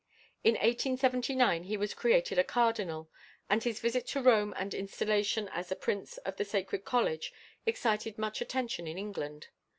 In 1879 he was created a cardinal, and his visit to Rome and installation as a Prince of the Sacred College excited much attention in England.